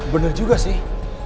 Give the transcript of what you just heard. bener juga sih